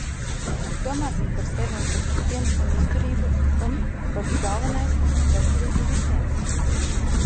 Domāsim par sevi un par citiem un izturību un, pats galvenais, veselību visiem!